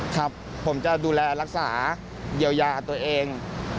ครับผมจะดูแลรักษาเยียวยาตัวเอง